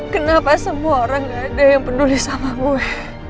kenapa semua orang gak ada yang peduli sama gue